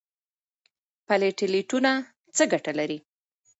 پلیټلیټونه څه ګټه لري؟